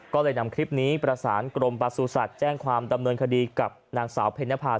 ก็ได้นำทาคกฏิบทรีพนี้ประสานกรมปลาสู้สัตว์แจ้งความดำเนินคดีกับนางสาวเพณภาซ